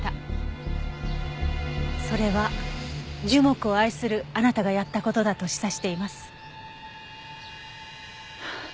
それは樹木を愛するあなたがやった事だと示唆しています。